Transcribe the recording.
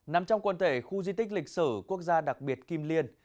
nằm trong quần thể khu di tích lịch sử quốc gia đặc biệt kim liên